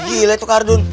gila itu kardun